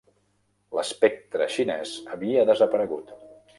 L'espectre xinès havia desaparegut.